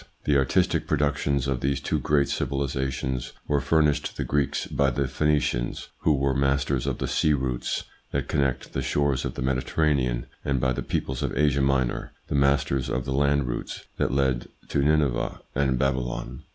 The artistic productions of these two great civilisations were furnished the Greeks by the Phoenicians, who were masters of the sea routes that connect the shores of the Mediter ranean, and by the peoples of Asia Minor, the masters of the land routes that lead to Nineveh and Babylon.